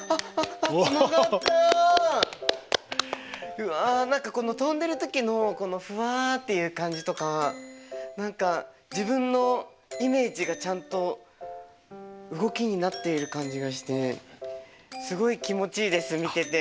うわ何かこの飛んでる時のこのふわっていう感じとか何か自分のイメージがちゃんと動きになっている感じがしてすごい気持ちいいです見てて。